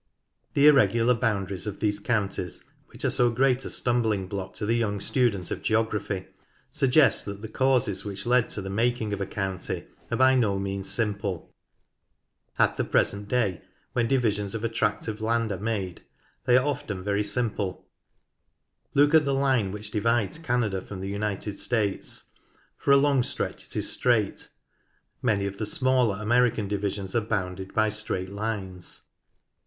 The irregular boundaries of these counties, which are so great a stumbling block to the young student of geography, suggest that the causes which led to the making of a county are by no means simple. At the present day, when divisions of a tract of land are made, they are often very simple. Look at the line which divides Canada from the United States. For a long stretch it is straight. Many of the smaller American divisions are bounded by straight lines.